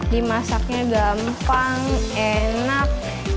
dimasaknya gampang enak